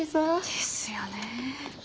ですよねえ。